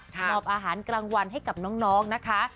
มอบอาหารกลางวันให้กับน้องนะคะ